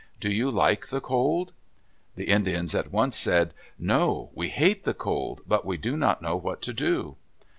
Do you like the cold?" The Indians at once said, "No. We hate the cold; but we do not know what to do."